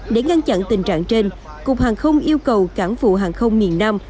để ngăn chặn tình trạng trên cục hàng không yêu cầu cảng vụ hàng không miền nam